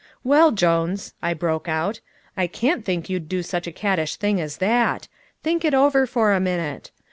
"Well, Jones," I broke out, "I can't think you'd do such a caddish thing as that. Think it over for a minute.